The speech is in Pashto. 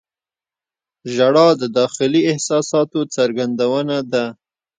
• ژړا د داخلي احساساتو څرګندونه ده.